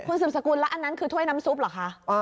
คุณสืบสกุลแล้วอันนั้นคือถ้วยน้ำซุปเหรอคะ